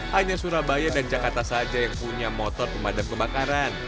hanya surabaya dan jakarta saja yang punya motor pemadam kebakaran